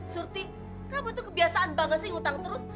surti kamu tuh kebiasaan banget sih ngutang terus